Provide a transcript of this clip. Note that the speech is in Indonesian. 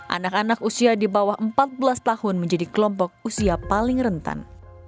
anak anak usia di bawah empat belas tahun menjadi kelompok usia paling rentan